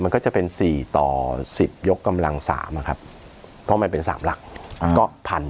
มันก็จะเป็น๔ต่อ๑๐ยกกำลัง๓นะครับเพราะมันเป็น๓หลัก